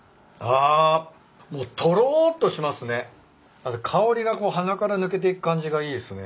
あと香りがこう鼻から抜けていく感じがいいですね。